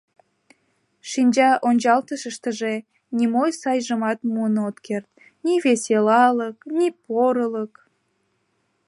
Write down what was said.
Шинча ончалтышыштыже нимо сайжымат муын от керт: ни веселалык, ни порылык.